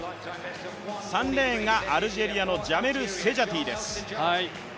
３レーンがアルジェリアのジャメル・セジャティです。